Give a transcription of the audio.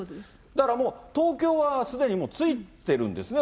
だからもう、東京はすでについてるんですね。